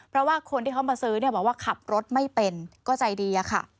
เพราะว่าคนที่เขามาซื้อเนี่ยบอกว่าขับรถไม่เป็นก็ใจดีอะค่ะ